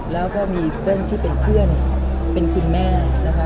แล้วก็มีเปิ้ลที่เป็นเพื่อนเป็นคุณแม่นะคะ